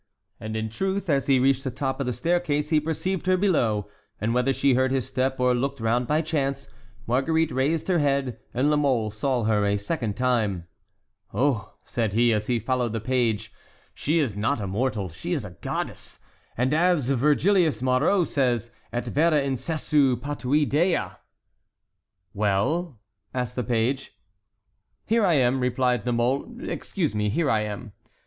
And in truth, as he reached the top of the staircase, he perceived her below; and whether she heard his step or looked round by chance, Marguerite raised her head, and La Mole saw her a second time. "Oh," said he, as he followed the page, "she is not a mortal—she is a goddess, and as Vergilius Maro says: 'Et vera incessu patuit dea.'" "Well?" asked the page. "Here I am," replied La Mole, "excuse me, here I am."